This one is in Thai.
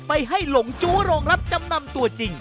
ไปให้หลงจู้โรงรับจำนำตัวจริง